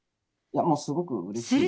もうすごくうれしいですよ。